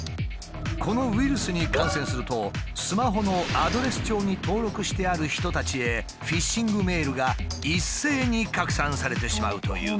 このウイルスに感染するとスマホのアドレス帳に登録してある人たちへフィッシングメールが一斉に拡散されてしまうという。